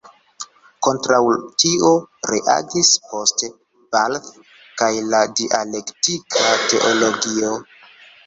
Kontraŭ tio reagis poste Barth kaj la dialektika teologio.